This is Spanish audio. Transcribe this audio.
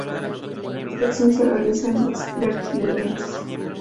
Esta acción se realiza en dos vertientes.